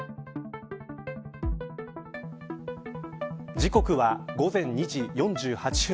時刻は午前２時４８分。